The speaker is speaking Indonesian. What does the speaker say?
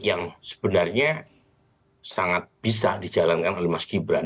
yang sebenarnya sangat bisa dijalankan oleh mas gibran